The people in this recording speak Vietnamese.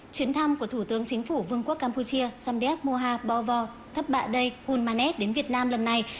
chuyến thăm của thủ tướng chính phủ vương quốc campuchia samdeb mohabovor thấp bạ đây hulmanet đến việt nam lần này